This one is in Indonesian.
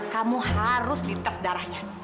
kamu harus dites darahnya